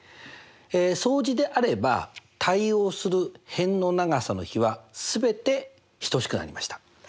相似であれば対応する辺の長さの比は全て等しくなりました。